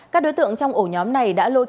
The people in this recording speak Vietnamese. các đối tượng trong ổ nhóm này đã lôi